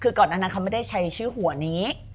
คือก่อนนั้นเขาไม่ได้ใช้ชื่อหัวนี้